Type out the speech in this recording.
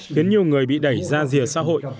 khiến nhiều người bị đẩy ra rìa xã hội